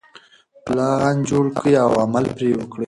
پلان جوړ کړئ او عمل پرې وکړئ.